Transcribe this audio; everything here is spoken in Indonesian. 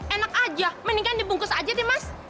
enak aja mendingan dibungkus aja deh mas